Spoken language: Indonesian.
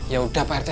yaudah pak rt